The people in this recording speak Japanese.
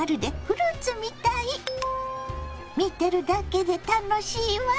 見てるだけで楽しいわ。